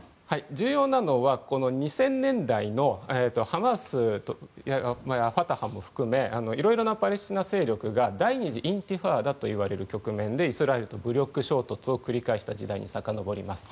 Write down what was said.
重要なのは２０００年代のハマスやファタハも含めいろいろなパレスチナ勢力が第２次インティファーダという局面でイスラエルと武力衝突を繰り返した時代にさかのぼります。